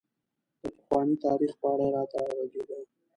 د پخواني تاريخ په اړه یې راته غږېده.